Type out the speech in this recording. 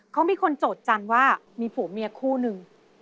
ก็มีคนโจฯจันทร์ว่ามีผัวเมียคู่นึง